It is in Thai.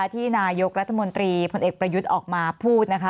ที่นายกรัฐมนตรีพลเอกประยุทธ์ออกมาพูดนะคะ